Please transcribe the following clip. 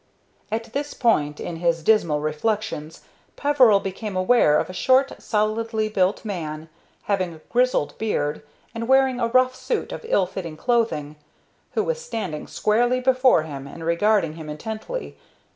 At this point in his dismal reflections Peveril became aware of a short, solidly built man, having a grizzled beard, and wearing a rough suit of ill fitting clothing, who was standing squarely before him and regarding him intently.